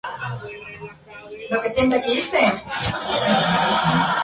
Se trata de una leguminosa adaptada a un lugar seco o semi-desertíco.